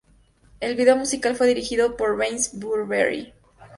El video musical fue dirigido por Vance Burberry.